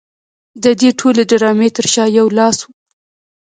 د دې ټولې ډرامې تر شا یو لاس و